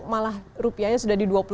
malah rupiahnya sudah di dua puluh